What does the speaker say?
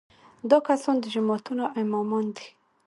دا کسان د جوماتونو امامان دي.